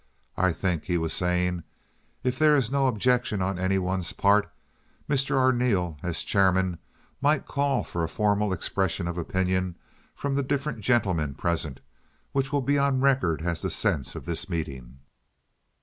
"I think," he was saying, "if there is no objection on any one's part, Mr. Arneel, as chairman, might call for a formal expression of opinion from the different gentlemen present which will be on record as the sense of this meeting."